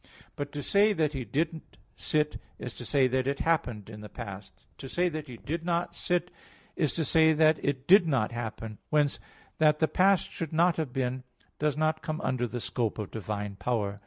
But to say that he did sit is to say that it happened in the past. To say that he did not sit, is to say that it did not happen. Whence, that the past should not have been, does not come under the scope of divine power.